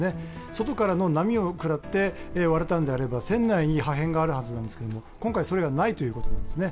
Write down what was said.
外からの波を食らって割れたのであれば船内に破片があるはずなんですけれども、今回それがないということなんですね。